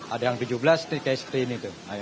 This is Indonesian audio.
ada yang tujuh belas seperti ini